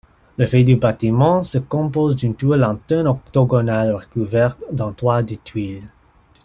Le fait du bâtiment se compose d'une tour-lanterne octogonale recouverte d'un toit de tuiles.